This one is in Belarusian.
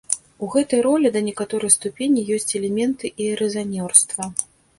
У гэтай ролі, да некаторай ступені, ёсць элементы і рэзанёрства.